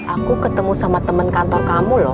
aku ketemu sama temen kantor kamu lho